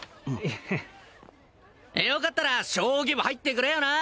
よかったら将棋部入ってくれよな！